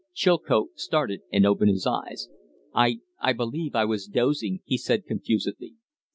Chilcote started and opened his eyes. "I I believe I was dozing," he said, confusedly.